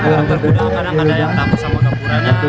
itu kan berkuda kadang ada yang takut sama keburanya